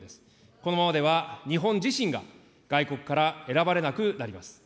このままでは、日本自身が外国から選ばれなくなります。